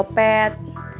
kau bisa berjaya